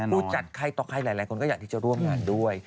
ผู้จัดใครต่อใครหลายคนก็อยากที่จะร่วมงานด้วย